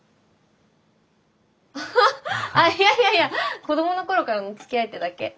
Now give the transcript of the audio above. ハハッいやいやいや子どもの頃からのつきあいってだけ。